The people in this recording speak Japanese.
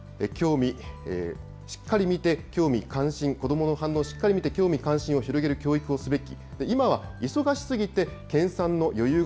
しっかり見て、興味・関心を、子どもの反応をしっかり見て興味・関心を広げる指導がしっかりすべき。